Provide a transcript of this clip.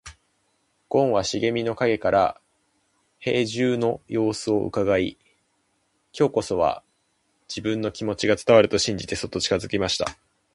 ごんは茂みの影から兵十の様子をうかがい、今日こそは自分の気持ちが伝わると信じてそっと近づきました。